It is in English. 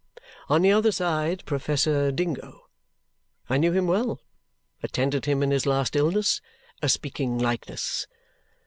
On the other side, Professor Dingo. I knew him well attended him in his last illness a speaking likeness!